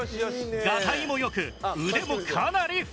ガタイも良く腕もかなり太い。